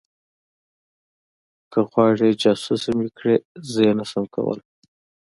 که غواړې جاسوسه مې کړي زه یې نشم کولی